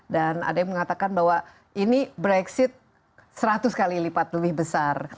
dan ada yang mengatakan bahwa ini brexit seratus kali lipat lebih besar